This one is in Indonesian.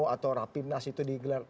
atau rapinas itu digelar